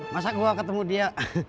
masa gua ketemu dia